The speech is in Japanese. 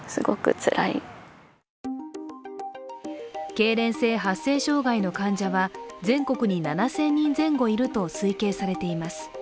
けいれん性発声障害の患者は全国に７０００人前後いると推計されています。